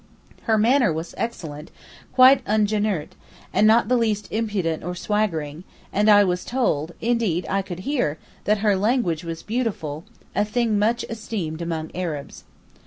Her manner was excellent, quite ungenirt, and not the least impudent or swaggering, and I was told—indeed, I could hear—that her language was beautiful, a thing much esteemed among Arabs.